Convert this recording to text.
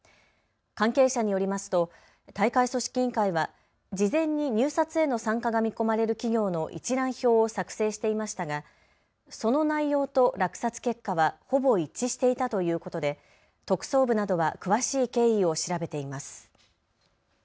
関係者によりますと大会組織委員会は事前に入札への参加が見込まれる企業の一覧表を作成していましたがその内容と落札結果はほぼ一致していたということで特捜部などは詳しい経緯を調べています。